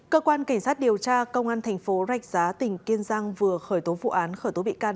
cơ quan cảnh sát điều tra công an thành phố rạch giá tỉnh kiên giang vừa khởi tố vụ án khởi tố bị can